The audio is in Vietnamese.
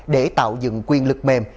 để tạo dựng quyền lực mềm